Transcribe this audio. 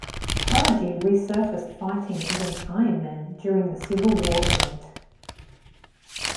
Prodigy resurfaced fighting against Iron Man during the Civil War event.